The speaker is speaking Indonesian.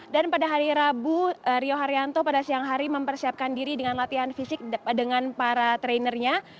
dan pada hari rabu rio haryanto pada siang hari mempersiapkan diri dengan latihan fisik dengan para trainernya